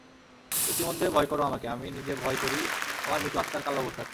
ইতিমধ্যে ভয় করো আমাকে, আমি নিজে ভয় করি আমার মৃত আত্মার কালো ভূতটাকে।